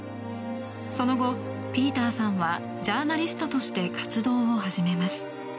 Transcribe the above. その後、ピーターさんはジャーナリストとして活動を始めます。